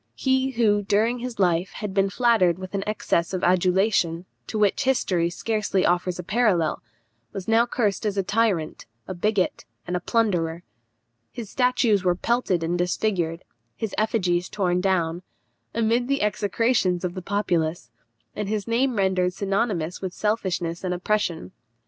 He who, during his life, had been flattered with an excess of adulation, to which history scarcely offers a parallel, was now cursed as a tyrant, a bigot, and a plunderer. His statues were pelted and disfigured; his effigies torn down, amid the execrations of the populace, and his name rendered synonymous with selfishness and oppression.